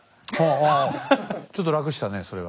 おおちょっと楽したねそれは。